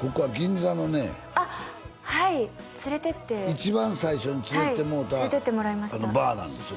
ここは銀座のねあっはい連れてって一番最初に連れてってもろうたバーなんですよ